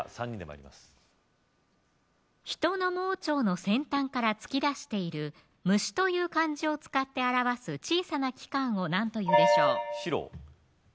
ヒトの盲腸の先端から突き出している虫という漢字を使って表す小さな器官を何というでしょう白